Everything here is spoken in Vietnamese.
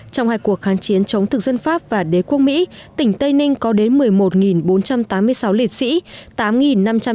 trong hai cuộc kháng chiến chống thực dân pháp và đế quốc mỹ tỉnh tây ninh có đến một mươi một bốn trăm tám mươi sáu liệt sĩ